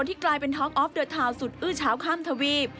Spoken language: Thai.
ที่กลายเป็นท้องออฟเดอร์ทาวน์สุดอื้อเช้าข้ามทวีป